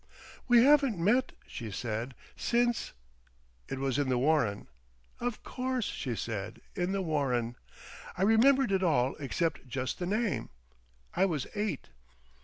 "We haven't met," she said, "since—" "It was in the Warren." "Of course," she said, "the Warren! I remembered it all except just the name.... I was eight."